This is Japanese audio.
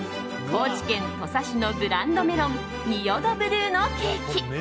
高知県土佐市のブランドメロン仁淀ブルーのケーキ。